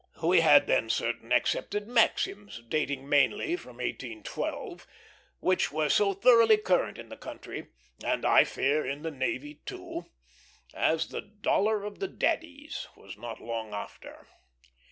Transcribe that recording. We had then certain accepted maxims, dating mainly from 1812, which were as thoroughly current in the country and I fear in the navy, too as the "dollar of the daddies" was not long after.